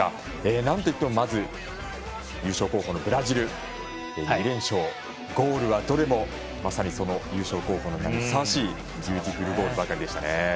なんといってもまず優勝候補のブラジルが２連勝、ゴールはどれもまさに優勝候補の名にふさわしいビューティフルゴールばかりでした。